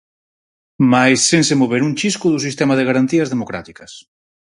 Mais sen se mover un chisco do sistema de garantías democráticas.